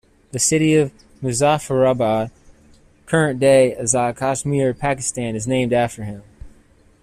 The city of Muzaffarabad, current day Azad Kashmir, Pakistan, is named after him.